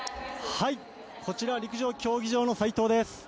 陸上競技場の斎藤です。